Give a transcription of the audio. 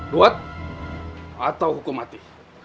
buat atau hukum mati